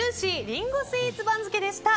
リンゴスイーツ番付でした。